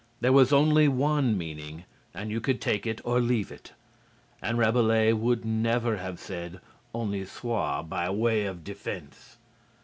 There was only one meaning, and you could take it or leave it. And Rabelais would never have said "Honi soit" by way of defense.